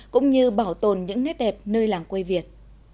cũng như bảo tồn những nét đẹp nơi làng quê việt